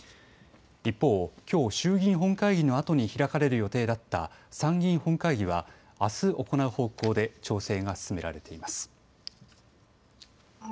一方、きょう衆議院本会議のあとに開かれる予定だった参議院本会議はあす行う方向で調整が進められています。